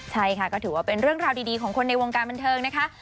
ใช่ค่ะก็ถือว่าเป็นเรื่องราวดีของคนในวงการบันเทิงนะคะ